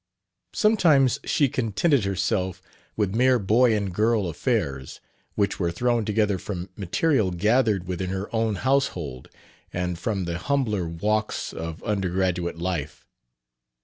Sometimes she contented herself with mere boy and girl affairs, which were thrown together from material gathered within her own household and from the humbler walks of undergraduate life.